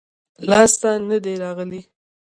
لاس ته نه دي راغلي-